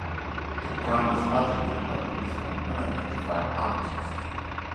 The crime was attributed by police to an unidentified anarchist.